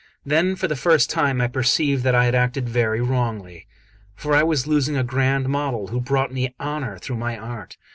Then for the first time I perceived that I had acted very wrongly; for I was losing a grand model, who brought me honour through my art.